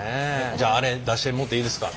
じゃああれ出してもうてええですか。